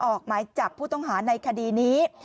ออกหมายจับผู้ต้องหาในคดีนี้